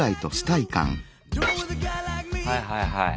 はいはいはい。